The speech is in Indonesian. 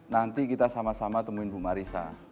nanti kita sama sama temuin bu marisa